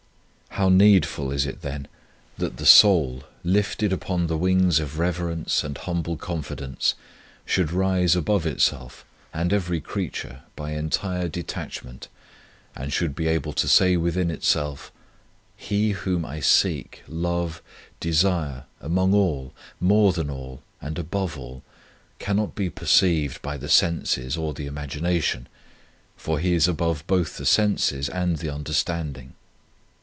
How needful is it, then, that the 4 6 Interior Recollection soul, lifted upon the wings of reverence and humble confidence, should rise above itself and every creature by entire detachment, and should be able to say within itself: He Whom I seek, love, desire, among all, more than all, and above all, cannot be perceived by the senses or the imagination, for He is above both the senses and the understanding.